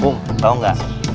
bung tau gak